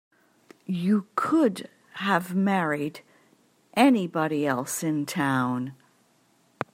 You could have married anybody else in town.